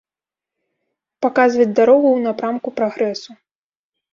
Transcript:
Паказваць дарогу ў напрамку прагрэсу.